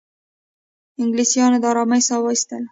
انګلیسیانو د آرامۍ ساه وایستله.